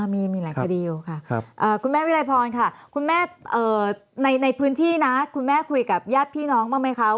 มีหลายคดีอยู่ค่ะคุณแม่วิรัยพรค่ะคุณแม่ในพื้นที่นะคุณแม่คุยกับญาติพี่น้องบ้างไหมคะ